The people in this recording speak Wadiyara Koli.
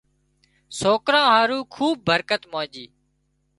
سوڪران هارو کوبٻ برڪت مانڄي